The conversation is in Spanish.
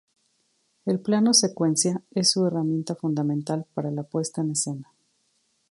El plano-secuencia es su herramienta fundamental para la puesta en escena.